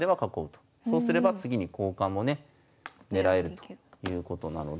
そうすれば次に交換もね狙えるということなので。